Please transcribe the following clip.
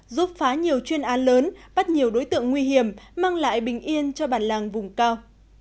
giúp phá nhiều chuyên án lớn bắt nhiều đối tượng nguy hiểm mang lại bình yên cho bản làng vùng cao